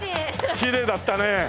きれいだったね。